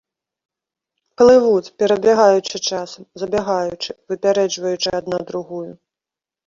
Плывуць, перабягаючы часам, забягаючы, выпярэджваючы адна другую.